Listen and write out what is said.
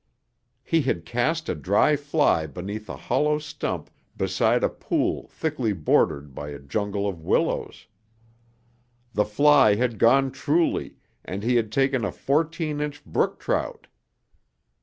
He had cast a dry fly beneath a hollow stump beside a pool thickly bordered by a jungle of willows. The fly had gone truly and he had taken a fourteen inch brook trout.